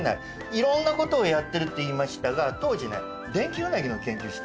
いろんなことをやってるって言いましたが当時ねデンキウナギの研究してた。